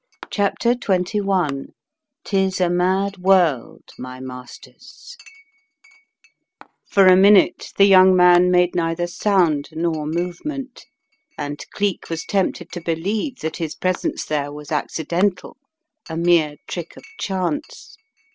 CHAPTER XXI " 'TIS A MAD WORLD, MY MASTERS" FOR a minute the young man made neither sound nor movement, and Cleek was tempted to believe that his presence there was acci dentia! — a mere trick of chance.